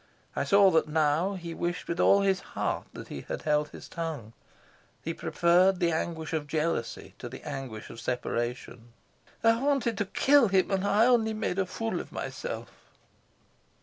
I saw that now he wished with all his heart that he had held his tongue. He preferred the anguish of jealousy to the anguish of separation. "I wanted to kill him, and I only made a fool of myself."